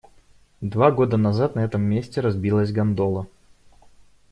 Два года назад на этом месте разбилась гондола.